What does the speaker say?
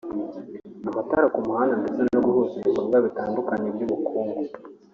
amatara ku mihanda ndetse no guhuza ibikorwa bitandukanye by’ubukungu